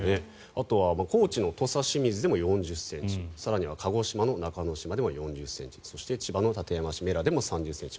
あとは高知の土佐清水でも４０ｃｍ更には鹿児島の中之島では４０ｃｍそして千葉の館山市布良でも３０ｃｍ。